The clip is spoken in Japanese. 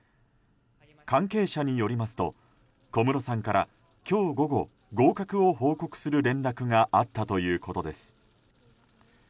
関係者によりますと小室さんから今日午後合格を報告する連絡があったということです。